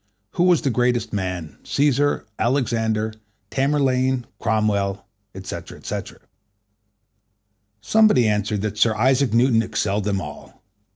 Who was the greatest man, Cæsar, Alexander, Tamerlane, Cromwell, &c.?Somebody answered that Sir Isaac Newton excelled them all.